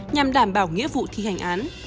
nhằm đảm bảo nghĩa vụ thi hành án